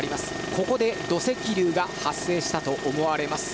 ここで土石流が発生したと思われます。